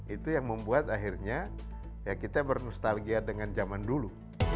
itu yang membuat akhirnya ya kita bernostalgia dengan zaman dulu